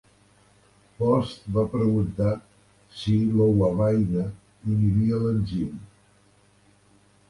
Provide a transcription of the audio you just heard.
Post va preguntar si l'ouabaïna inhibia l'enzim.